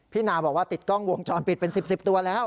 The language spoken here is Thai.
พี่นามบอกว่าติดกล้องวงชอนเปลี่ยนเป็น๑๐ตัวแล้ว